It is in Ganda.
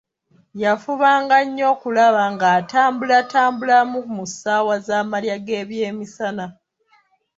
Yafubanga nnyo okulaba ng'atambulatambulamu mu ssaawa za malya g'ebyemisana.